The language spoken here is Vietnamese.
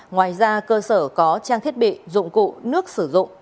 ngoài ra cơ sở có trang thiết bị dụng cụ nước sử dụng